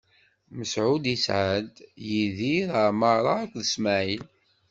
Mesɛud isɛa-d: Yidir, Amaṛa akked Smaɛil.